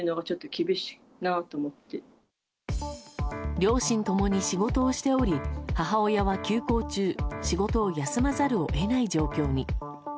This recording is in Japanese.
両親共に仕事をしており母親は休校中仕事を休まざるを得ない状況に。